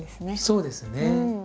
そうですね。